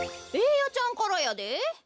ベーヤちゃんからやで。